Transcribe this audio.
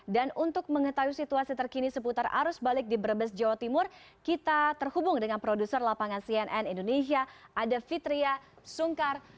dan untuk mengetahui situasi terkini seputar arus balik di brebes jawa timur kita terhubung dengan produser lapangan cnn indonesia ada fitria sungkar